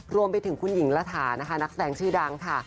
รวมไปถึงคุณหญิงระถานะคะนักแสดงชื่อดังค่ะ